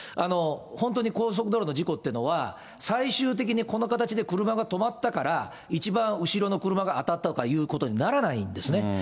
本当に高速道路の事故ってのは、最終的にこの形で車が止まったから、一番後ろの車が当たったということにならないんですね。